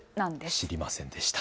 知りませんでした。